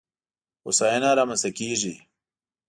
هوساینه رامنځته کېږي.